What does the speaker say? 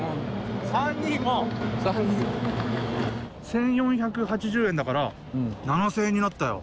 １，４８０円だから７，０００円になったよ。